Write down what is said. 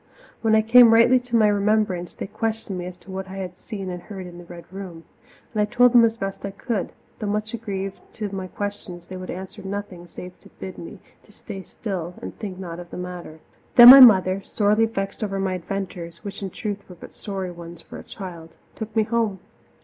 When I came rightly to my remembrance, they questioned me as to what I had seen and heard in the Red Room. And I told them as best I could, though much aggrieved that to my questions they would answer nothing save to bid me to stay still and think not of the matter. Then my mother, sorely vexed over my adventures which in truth were but sorry ones for a child took me home.